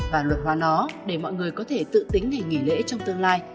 và luật hóa nó để mọi người có thể tự tính ngày nghỉ lễ trong tương lai